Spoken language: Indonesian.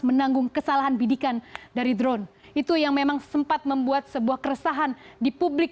menanggung kesalahan bidikan dari drone itu yang memang sempat membuat sebuah keresahan di publik